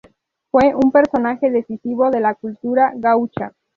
Fue un personaje decisivo de la cultura gaúcha.